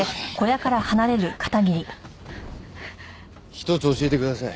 １つ教えてください。